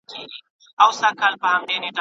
کوم علوم د ژوندیو پدیدو د مطالعې مسؤلیت لري؟